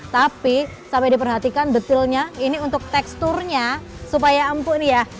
tapi sampai diperhatikan detailnya ini untuk teksturnya supaya empuk nih ya